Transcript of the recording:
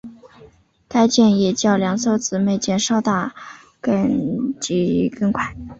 该舰也较两艘姊妹舰稍大及更快。